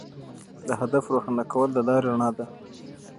د هدف روښانه کول د لارې رڼا ده.